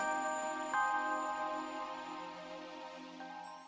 original kita aja ga ada argresuaun juga betoda schwierig